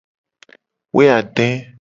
Woeade.